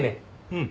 うん。